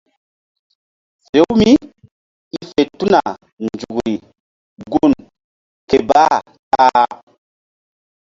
Fe-u mí i fe tuna nzukri gun ké bah ta.